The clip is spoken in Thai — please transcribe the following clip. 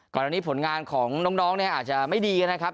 กรณีผลงานของน้องอาจจะไม่ดีนะครับ